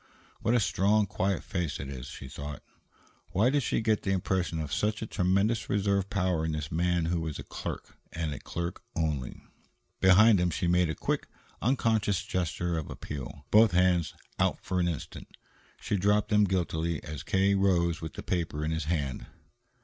"What a strong, quiet face it is," she thought. Why did she get the impression of such a tremendous reserve power in this man who was a clerk, and a clerk only? Behind him she made a quick, unconscious gesture of appeal, both hands out for an instant. She dropped them guiltily as K. rose with the paper in his hand.